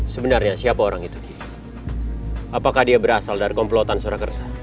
sebenarnya siapa orang itu dia apakah dia berasal dari komplotan surakarta